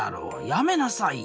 やめなさいよ。